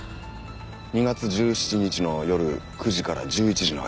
２月１７日の夜９時から１１時の間です。